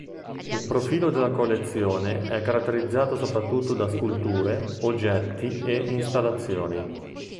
Il profilo della collezione è caratterizzato soprattutto da sculture, oggetti e installazioni.